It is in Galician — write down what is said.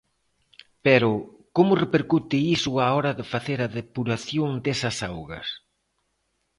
Pero ¿como repercute iso á hora de facer a depuración desas augas?